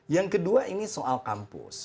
yang kedua ini soal kampus